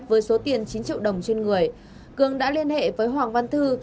với số tiền chín triệu đồng trên người cường đã liên hệ với hoàng văn thư